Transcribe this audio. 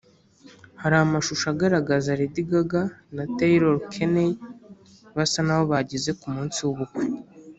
Hari amashusho agaragaza Lady Gaga na Taylor Kinney basa n’aho bageze ku munsi w’ubukwe